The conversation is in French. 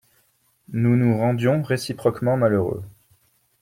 Nous nous rendions réciproquement malheureux.